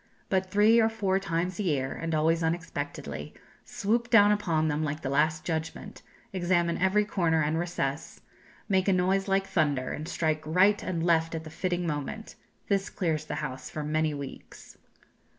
But three or four times a year, and always unexpectedly, swoop down upon them like the Last Judgment; examine every corner and recess; make a noise like thunder, and strike right and left at the fitting moment this clears the house for many weeks!"